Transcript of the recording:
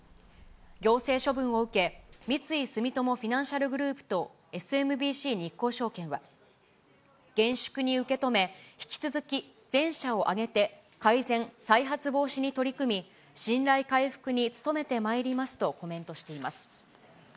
行政処分を受け、三井住友フィナンシャルグループとＳＭＢＣ日興証券は、厳粛に受け止め、引き続き全社を挙げて改善・再発防止に取り組み、信頼回復に努めてまいりますとコメントしています。